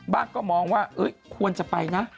ก็มองว่าควรจะไปนะ